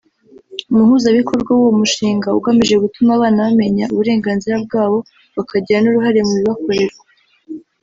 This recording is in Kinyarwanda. umuhuzabikorwa w’uwo mushinga ugamije gutuma abana bamenya uburenganzira bwabo bakagira n’uruhare mu bibakorerwa